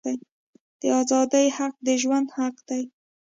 د آزادی حق د ژوند حق دی.